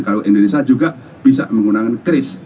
kalau indonesia juga bisa menggunakan kris